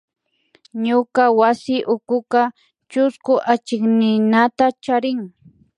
Ñuka wasi ukuka chusku achikninata charin